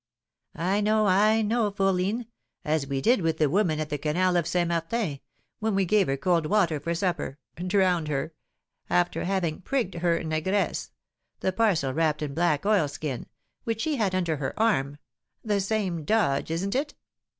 "I know, I know, fourline; as we did with the woman at the canal of St. Martin, when we gave her cold water for supper (drowned her), after having 'prigged' her 'negress' (the parcel wrapped in black oil skin) which she had under her arm, the same 'dodge,' isn't it?"